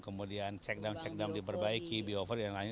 kemudian check down check down diperbaiki bioporik dan lain lain